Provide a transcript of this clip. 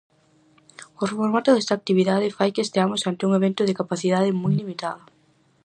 O formato desta actividade fai que esteamos ante un evento de capacidade moi limitada.